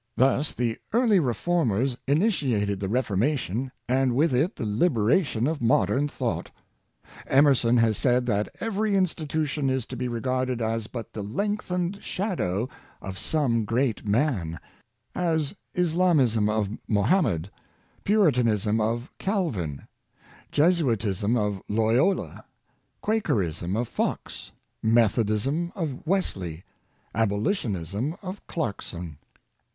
Thus the early Reformers initiated the Ref ormation, and with it the liberation of modern thought. Emerson has said that every institution is to be regarded as but the lengthened shadow of some great man; as Islamism of Mohammed, Puritanism of Calvin, Jesuit ism of Loyola, Quakerism of Fox, Methodism of Wes ley, Abolitionism of Clarkson.